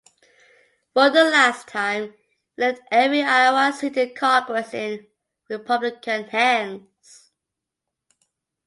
For the last time, it left every Iowa seat in Congress in Republican hands.